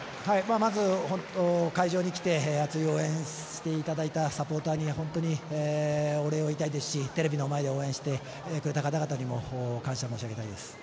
まず会場に来て熱い応援をしていただいたサポーターに本当にお礼を言いたいですしテレビの前で応援してくれた方々にも感謝申し上げたいです。